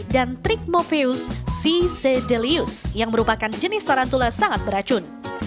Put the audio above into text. dan trichmophius c sedelius yang merupakan jenis tarantula sangat beracun